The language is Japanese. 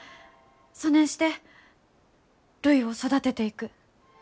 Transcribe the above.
そねんしてるいを育てていく。